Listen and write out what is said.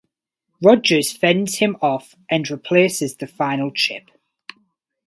Rogers fends him off and replaces the final chip.